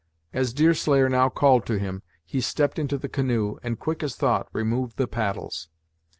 As Deerslayer now called to him, he stepped into the canoe, and quick as thought removed the paddles.